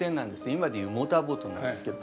今でいうモーターボートなんですけど